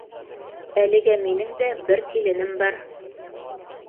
Әлегә минең дә бер киленем бар.